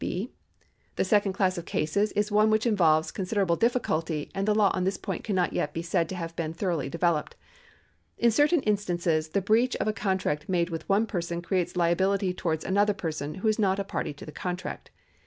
(6) The second class of cases is one which involves consi derable diflficidty, and the law on this point cannot yet be said to have been thoroughly developed. In certain instances the breach of a contract made with one person creates liability 430 THE LAW OF OBLICxATIONS [§ 169 towards another person, who is no party to the contract.